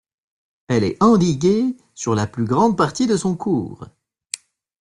Elle est endiguée sur la plus grande partie de son cours.